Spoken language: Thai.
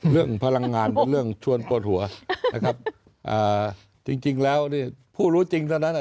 เรื่องพลังงานเป็นเรื่องชวนโปรดหัวจริงแล้วผู้รู้จริงเท่านั้น